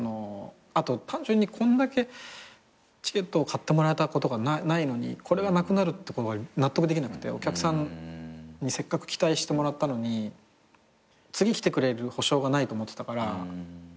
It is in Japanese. あと単純にこんだけチケットを買ってもらえたことがないのにこれがなくなるってことが納得できなくてお客さんにせっかく期待してもらったのに次来てくれる保証がないと思ってたから。